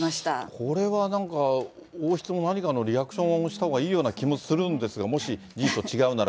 これはなんか王室も何かのリアクションをしたほうがいいような気もするんですが、もし事実と違うなら。